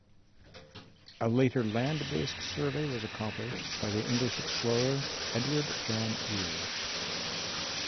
A later land-based survey was accomplished by the English explorer Edward John Eyre.